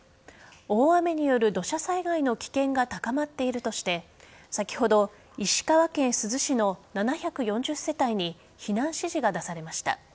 大雨による土砂災害の危険が高まっているとして先ほど石川県珠洲市の７４０世帯に避難指示が出されました。